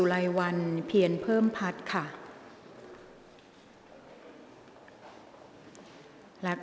กรรมการท่านที่สองได้แก่กรรมการใหม่เลขหนึ่งค่ะ